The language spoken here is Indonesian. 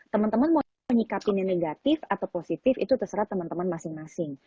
teman teman mau menyikapinya negatif atau positif itu terserah teman teman masing masing